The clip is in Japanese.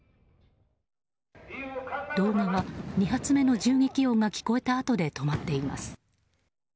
動画は、２発目の銃撃音が聞こえたあとで止まっています。